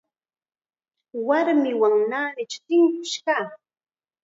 Warmiwan naanichaw tinkush kaa.